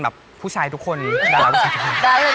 ดำดำได้เลยทุกคนจะถึงทางดีเจปู